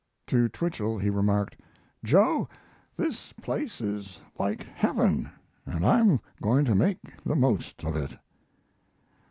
To Twichell he remarked: "Joe, this place is like Heaven, and I'm going to make the most of it."